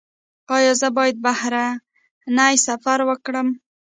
ایا زه باید بهرنی سفر وکړم؟